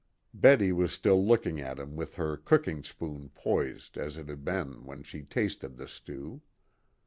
Betty was still looking at him with her cooking spoon poised as it had been when she tasted the stew.